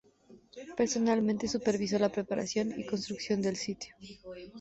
Personalmente supervisó la preparación y construcción del sitio.